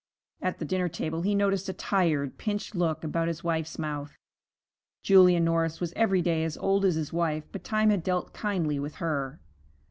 At the dinner table he noticed a tired, pinched look about his wife's mouth. Julia Norris was every day as old as his wife, but time had dealt kindly with her.